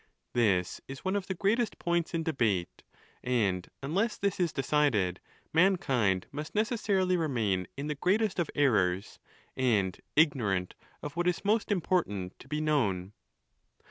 This is one of the greatest points in debate ; and unless this is decided, mankind must necessarily remain in the greatest of errors, and ignorant of what is most important to be known.